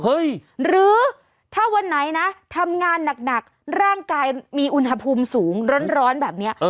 หรือถ้าวันไหนนะทำงานหนักร่างกายมีอุณหภูมิสูงร้อนแบบนี้